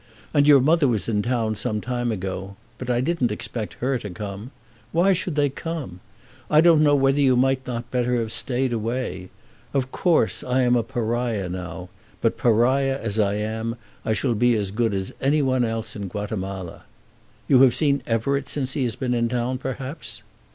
And your mother was in town some time ago, but I didn't expect her to come. Why should they come? I don't know whether you might not have better stayed away. Of course I am a Pariah now; but Pariah as I am, I shall be as good as any one else in Guatemala. You have seen Everett since he has been in town, perhaps?"